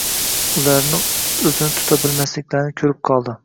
Ularnu oʻzini tuta bilmasliklarini koʻrib qoldi.